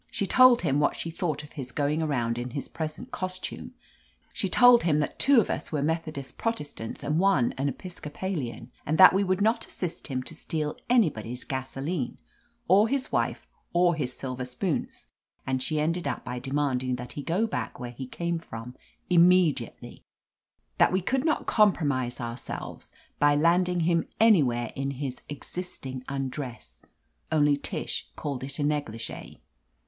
She told him what she thought of his going around in his present costume; she told him that two of us were Methodist Protestants and one an Episcopalian, and that we would not assist him to steal anybody's gasoline, or his wife or his silver spoons: and she ended up by demanding that he go back where he came from immediately : that we could not compro mise ourselves by landing him anywhere in his existing undress — only Tish called it negligee.